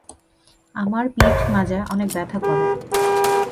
আমার পিঠ, মাজা অনেক ব্যথা করে।